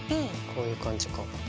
こういう感じか。